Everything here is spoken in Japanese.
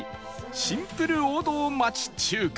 シンプル王道町中華